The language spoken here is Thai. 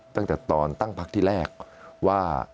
ตั้งแต่ตอนตั้งพักที่แรกว่า